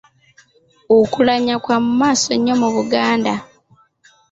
Okulanya kwa mu maaso nnyo mu Buganda.